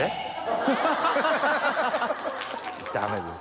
ダメです！